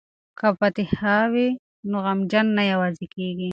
که فاتحه وي نو غمجن نه یوازې کیږي.